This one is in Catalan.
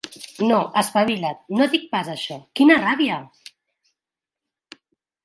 No, espavilat! No dic pas això! Quina ràbia!